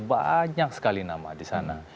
banyak sekali nama di sana